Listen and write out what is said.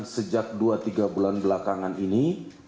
sejak dua tiga bulan belakangan ini